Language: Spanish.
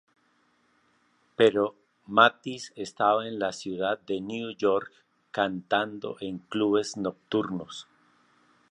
Pero Mathis estaba en la Ciudad de New York cantando en clubes nocturnos.